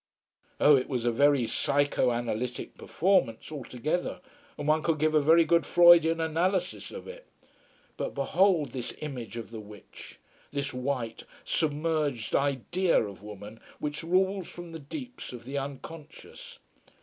Oh, it was a very psychoanalytic performance altogether, and one could give a very good Freudian analysis of it. But behold this image of the witch: this white, submerged idea of woman which rules from the deeps of the unconscious.